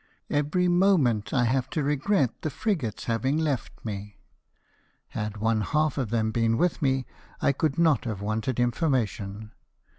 Every moment I have to regret the frigates having left me ; had one half of them been with me, I could not have wanted infor mation.